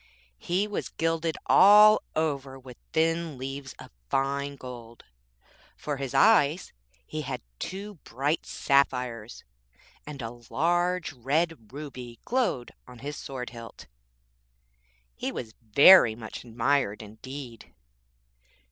He was gilded all over with thin leaves of fine gold, for eyes he had two bright sapphires, and a large red ruby glowed on his sword hilt. He was very much admired indeed.'